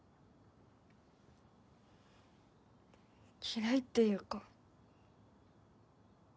嫌いっていうか。